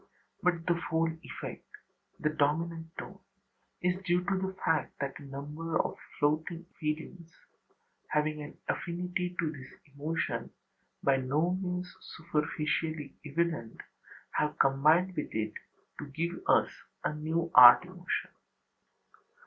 But the whole effect, the dominant tone, is due to the fact that a number of floating feelings, having an affinity to this emotion by no means superficially evident, have combined with it to give us a new art emotion.